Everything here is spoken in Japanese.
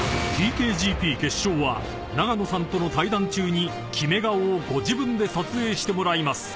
［ＴＫＧＰ決勝は永野さんとの対談中にキメ顔をご自分で撮影してもらいます］